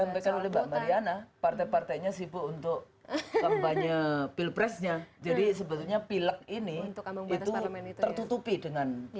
yang tadi disampaikan oleh mbak mariana partai partainya sibuk untuk kampanye pilpresnya jadi sebetulnya pileg ini itu tertutupi dengan